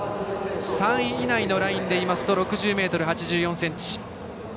３位以内のラインでいいますと６０ｍ８４ｃｍ。